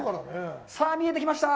さあ、見えてきました。